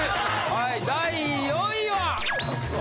第４位は。